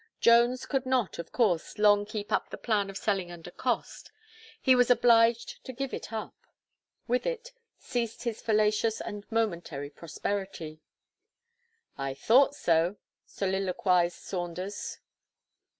Jones could not, of course, long keep up the plan of selling under cost; he was obliged to give it up. With it, ceased his fallacious and momentary prosperity. "I thought so," soliloquized Saunders.